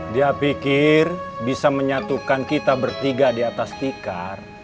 dia pikir bisa menyatukan kita bertiga di atas tikar